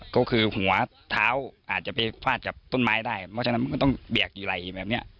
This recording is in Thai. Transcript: ก็คือหัวเท้าอาจจะไปฟาดกับต้นไม้ได้เพราะฉะนั้นมันก็ต้องเบียกอยู่ไหล่แบบนี้